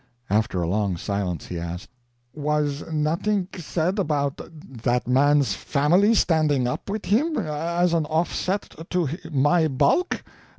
After a long silence he asked: "Was nothing said about that man's family standing up with him, as an offset to my bulk?